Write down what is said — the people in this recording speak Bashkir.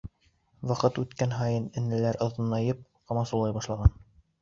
Ваҡыт үткән һайын энәләр оҙонайып, ҡамасаулай башлаған.